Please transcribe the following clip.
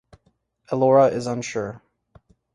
Elora is unsure.